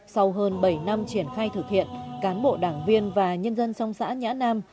sau hơn bảy năm triển khai thực hiện cán bộ đảng viên và nhân dân trong xã nhã nam